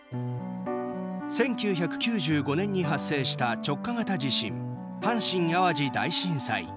１９９５年に発生した直下型地震、阪神・淡路大震災。